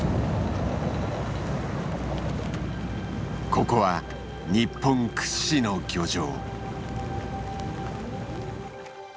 ここは日本屈指の漁場。